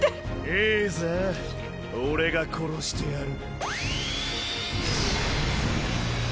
いいぜ俺が殺してやる。